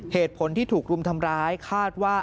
เหตุผลที่ถูกรุมทำร้ายคาดว่า